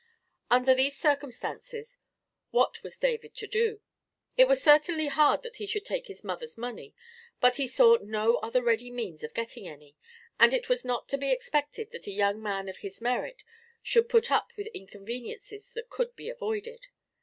Under these circumstances, what was David to do? It was certainly hard that he should take his mother's money; but he saw no other ready means of getting any, and it was not to be expected that a young man of his merit should put up with inconveniences that could be avoided.